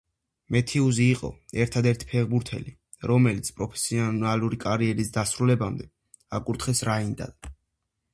მეთიუზი იყო ერთადერთი ფეხბურთელი, რომელიც პროფესიული კარიერის დასრულებამდე აკურთხეს რაინდად.